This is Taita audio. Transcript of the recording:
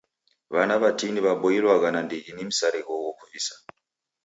W'ana w'atini w'aboilwagha nandighi ni msarigho ghokuvisa.